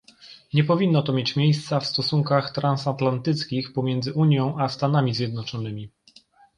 Nie powinno to mieć miejsca w stosunkach transatlantyckich pomiędzy Unią a Stanami Zjednoczonymi